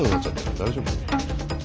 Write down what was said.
大丈夫？